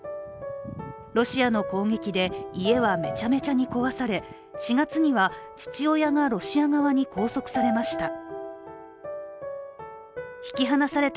ロシアの攻撃で家はめちゃめちゃに壊され４月には、父親がロシア側に拘束されました。